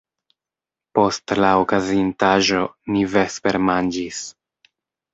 Post la okazintaĵo, ni vespermanĝis.